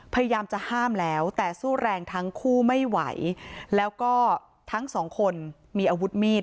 พยายามจะห้ามแล้วแต่สู้แรงทั้งคู่ไม่ไหวแล้วก็ทั้งสองคนมีอาวุธมีด